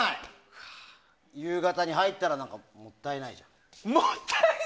夕方に入ったらもったいない。